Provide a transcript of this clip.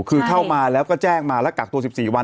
คือเข้ามาแล้วก็แจ้งมาแล้วกักตัว๑๔วัน